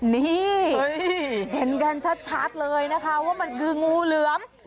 นี่เห็นกันชัดเลยนะคะว่ามันคืองูเหลือม